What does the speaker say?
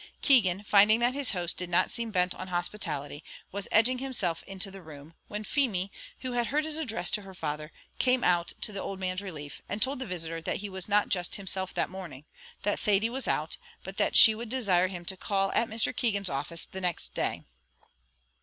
Keegan, finding that his host did not seem bent on hospitality, was edging himself into the room, when Feemy, who had heard his address to her father, came out to the old man's relief, and told the visitor that he was not just himself that morning that Thady was out, but that she would desire him to call at Mr. Keegan's office the next day.